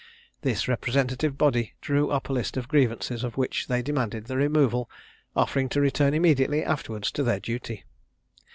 This representative body drew up a list of grievances, of which they demanded the removal, offering to return immediately afterwards to their duty.